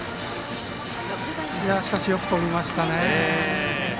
しかし、よく飛びましたね。